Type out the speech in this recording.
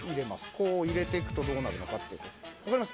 こう入れてくとどうなるのかっていうと分かります？